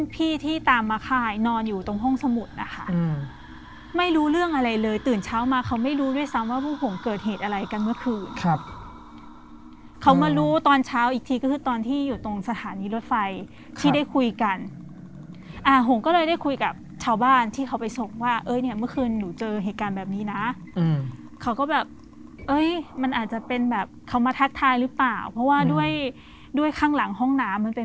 พี่ตามมาค่ายนอนอยู่ตรงห้องสมุดนะคะอืมไม่รู้เรื่องอะไรเลยตื่นเช้ามาเขาไม่รู้ด้วยซ้ำว่าพวกผมเกิดเหตุอะไรกันเมื่อคืนครับเขามารู้ตอนเช้าอีกทีก็คือตอนที่อยู่ตรงสถานีรถไฟที่ได้คุยกันอ่าหงก็เลยได้คุยกับชาวบ้านที่เขาไปส่งว่าเอ้ยเนี้ยเมื่อคืนหนูเจอเหตุการณ์แบบนี้น่ะอืมเขาก็แบบเอ้ยมันอาจจะเป็